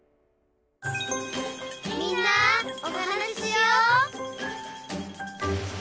「みんなおはなししよう」